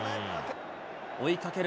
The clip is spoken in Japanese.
追いかける